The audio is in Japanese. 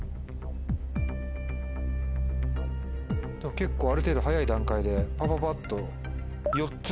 結構ある程度早い段階でパパパっと。